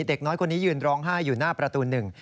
เด็กน้อยคนนี้ยืนร้องไห้อยู่หน้าประตูหนึ่ง